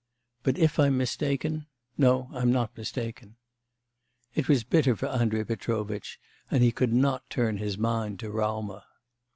But if I'm mistaken? No, I'm not mistaken ' It was bitter for Andrei Petrovitch, and he could not turn his mind to Raumer.